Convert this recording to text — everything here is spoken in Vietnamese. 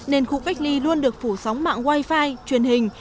nên khu cách ly luôn được phủ sóng mạng wifi truyền hình